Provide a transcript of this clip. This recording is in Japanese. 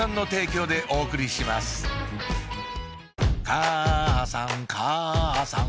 母さん母さん